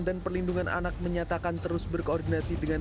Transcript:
dan perlindungan anak menyatakan terus berkoordinasi dengan